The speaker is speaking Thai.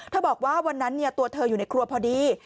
บอกว่าวันนั้นตัวเธออยู่ในครัวพอดี